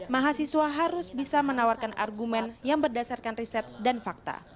mahasiswa harus bisa menawarkan argumen yang berdasarkan riset dan fakta